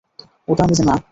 ওটা আমি না।